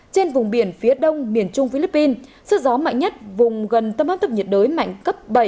trên vùng biển phía đông miền trung philippines sức gió mạnh nhất vùng gần tâm áp thấp nhiệt đới mạnh cấp bảy